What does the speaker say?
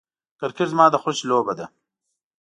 کرکټ زما د خوښې لوبه ده .